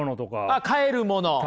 あ買えるもの。